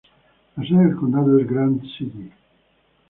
La sede del condado es Grant City.